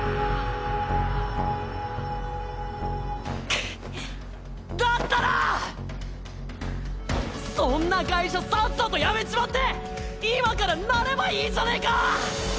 ふっだったらそんな会社さっさと辞めちまって今からなればいいじゃねぇか！